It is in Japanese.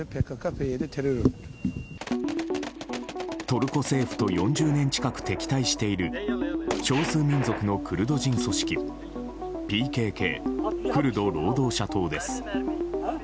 トルコ政府と４０年近く敵対している少数民族のクルド人組織ＰＫＫ・クルド労働者党です。